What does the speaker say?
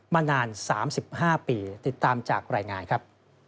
มานาน๓๕ปีติดตามจากรายงานครับ